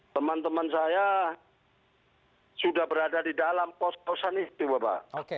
teman teman saya sudah berada di dalam kos kosan itu bapak